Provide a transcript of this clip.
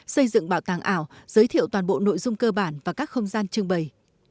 xây dựng bảo tàng ảo giới thiệu toàn bộ nội dung cơ bản và các không gian trưng bày